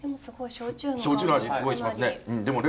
焼酎の味すごいしますね。